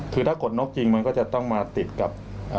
คือถ้ากดนกจริงมันก็จะต้องมาติดกับ